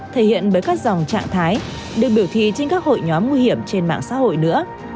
thể hiện với các dòng trạng thái được biểu thị trên các hội nhóm nguy hiểm trên mạng xã hội nữa